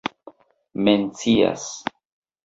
mencias